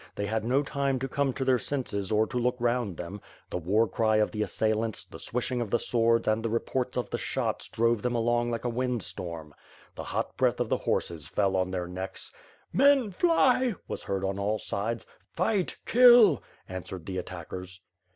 They had no time to come to their senses or to look round them. The war cry of the assailants, the swishing of the swords and the reports of the shots drove them along like a wind storm. The hot breath of the horses fell on their necks. '^len, fly," was heard on all sides. "Fight, kill!" answered the attackers.